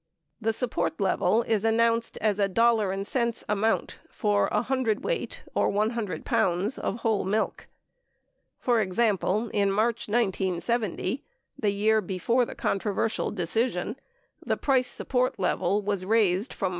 The support level is announced as a dollar and cents amount for a hundredweight (or 100 pounds) of whole milk. For example, in March 1970 — the year before the controversial decision — the price support level was raised from $4.